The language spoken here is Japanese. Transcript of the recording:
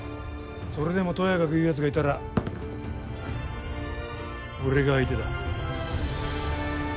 それでも、とやかく言うやつがいたら俺が相手だ。